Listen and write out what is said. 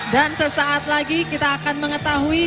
dan sesaat lagi kita akan mengetahui